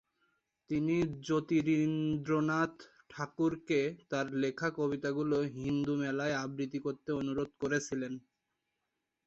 তিনি জ্যোতিরিন্দ্রনাথ ঠাকুরকে তাঁর লেখা কবিতাগুলো হিন্দু মেলায় আবৃত্তি করতে অনুরোধ করেছিলেন।